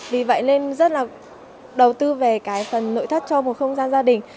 vì vậy nên rất là đầu tư về cái phần nội thất cho một không gian gia đình